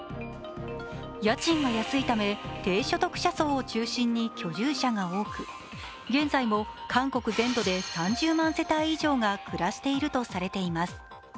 家賃が安いため、低所得者層を中心に居住者が多く現在も韓国全土で３０万世帯以上が暮らしているとされています。